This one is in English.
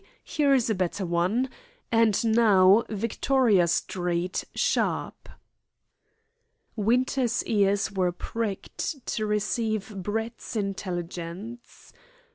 Here is a better one. And now, Victoria Street, sharp." Winter's ears were pricked to receive Brett's intelligence.